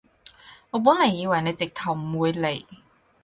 我本來以為你直頭唔會嚟